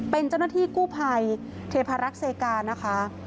เป็นเจ้าหน้าที่กู้ภัยเทพารักษ์เซกานะคะ